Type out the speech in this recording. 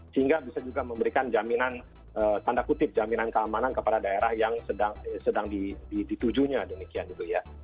sehingga bisa juga memberikan jaminan tanda kutip jaminan keamanan kepada daerah yang sedang ditujunya demikian gitu ya